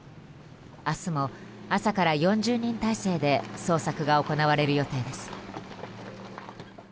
明日も朝から４０人態勢で捜索が行われる予定です。